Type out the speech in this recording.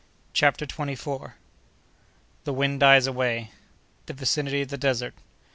CHAPTER TWENTY FOURTH. The Wind dies away.—The Vicinity of the Desert.